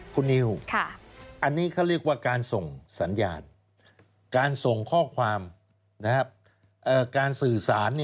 คุณนิวอันนี้เขาเรียกว่าการส่งสัญญาณการส่งข้อความการสื่อสาร